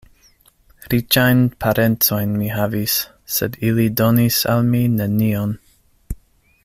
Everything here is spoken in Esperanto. Riĉajn parencojn mi havis, sed ili donis al mi nenion.